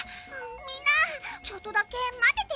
「みんなちょっとだけ待ってて」